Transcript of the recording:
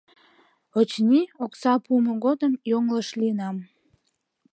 Очыни, окса пуымо годым йоҥылыш лийынам...»